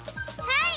はい！